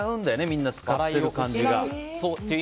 みんな、使ってる感じが。